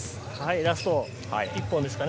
ラスト１本ですかね。